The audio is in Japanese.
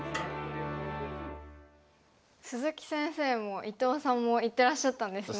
鈴木先生も伊藤さんも行ってらっしゃったんですね。